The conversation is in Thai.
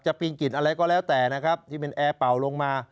ปริงกิจอะไรก็แล้วแต่นะครับที่เป็นแอร์เป่าลงมา